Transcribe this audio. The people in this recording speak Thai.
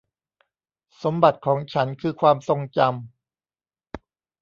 สมบัติของฉันคือความทรงจำ